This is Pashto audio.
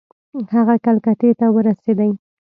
هغه کلکتې ته ورسېدی.